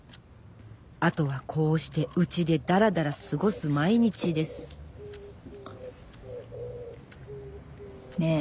あとはこうしてうちでだらだら過ごす毎日ですねぇ。